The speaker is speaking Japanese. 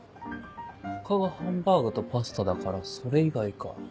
他がハンバーグとパスタだからそれ以外か。